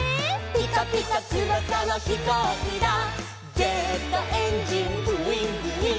「ピカピカつばさのひこうきだ」「ジェットエンジングィングィン」